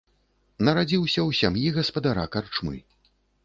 Нарадзіўся ў сям'і гаспадара карчмы.